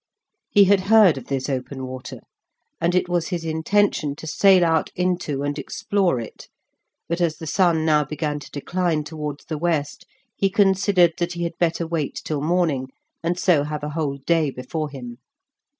He had heard of this open water, and it was his intention to sail out into and explore it, but as the sun now began to decline towards the west, he considered that he had better wait till morning, and so have a whole day before him.